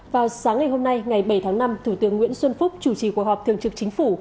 vào sáng ngày hôm nay ngày bảy tháng năm thủ tướng nguyễn xuân phúc chủ trì cuộc họp thường trực chính phủ